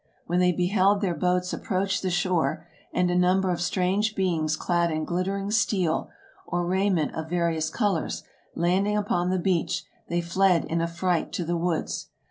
When they beheld their boats approach the shore, and a number of strange beings clad in glittering steel, or raiment of various colors, landing upon the beach, they fled in affright to the woods.